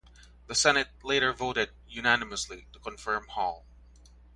The Senate later voted unanimously to confirm Hall.